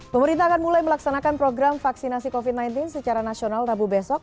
pemerintah akan mulai melaksanakan program vaksinasi covid sembilan belas secara nasional rabu besok